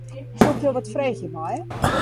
Soe ik jo wat freegje meie?